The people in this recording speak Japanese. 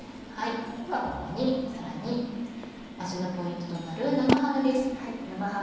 ここにさらに味のポイントとなる生ハムです。